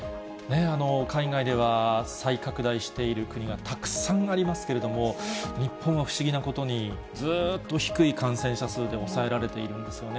海外では、再拡大している国がたくさんありますけれども、日本は不思議なことに、ずっと低い感染者数で抑えられているんですよね。